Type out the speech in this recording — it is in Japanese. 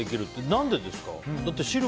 何でですか？